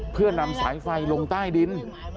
เพื่อนำสายไฟลงใต้ดิน